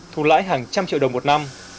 thu lãi hàng trăm triệu đồng một năm